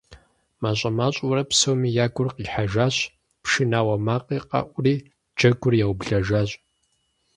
МащӀэ-мащӀэурэ псоми я гур къихьэжащ, пшынауэ макъи къэӀури, джэгур яублэжащ.